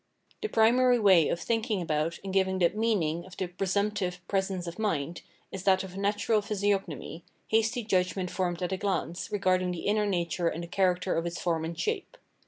The primary way of thinking about and giving the " meaning " of the '' presmnptive " presence of mind, is that of natural physiognomy, hasty judgment formed at a glance regarding the inner nature and the character of its form and shape.